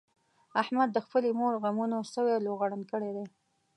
احمد د خپلې مور غمونو سوی لوغړن کړی دی.